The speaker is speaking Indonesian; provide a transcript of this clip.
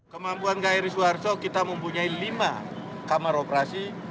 kemampuan kri suharto kita mempunyai lima kamar operasi